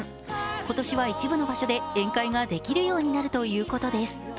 今年は一部の場所で宴会ができるようになるということです。